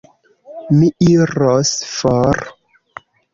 Mi iros for.